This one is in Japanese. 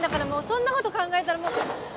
そんなこと考えたらもう。